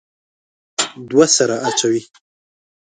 دوه سره اچوي.